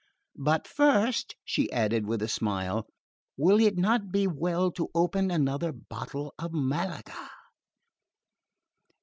But first," she added with a smile, "would it not be well to open another bottle of Malaga?"